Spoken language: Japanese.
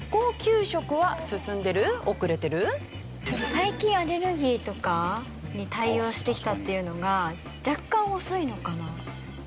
最近アレルギーとかに対応してきたっていうのが若干遅いのかな？